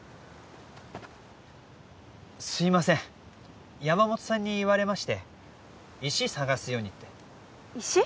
すいません山本さんに言われまして石探すようにって石？